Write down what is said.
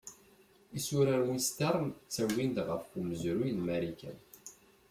Isura western ttawin-d ɣef umezruy n Marikan.